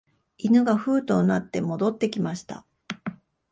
犬がふうと唸って戻ってきました